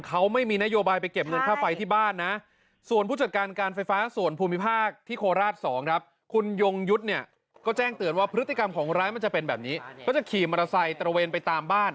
เขาไม่มีนโยบายไปเก็บเงินค่าฟัยที่บ้านนะ